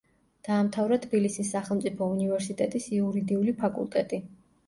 დაამთავრა თბილისის სახელმწიფო უნივერსიტეტის იურიდიული ფაკულტეტი.